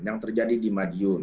yang terjadi di madiun